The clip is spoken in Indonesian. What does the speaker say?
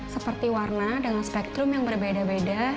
seperti warna dengan spektrum yang berbeda beda